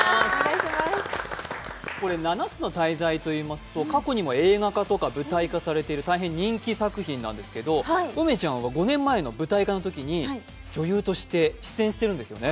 「七つの大罪」といいますと過去にも映画化とか、舞台化されている大変な人気作品なんですけれども、梅ちゃんは５年前の舞台化のときに女優として出演されてるんですよね。